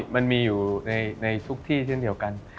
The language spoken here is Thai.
มันมีอยู่ในทุกที่เช่นเดียวกัน